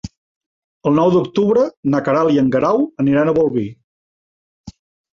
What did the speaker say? El nou d'octubre na Queralt i en Guerau aniran a Bolvir.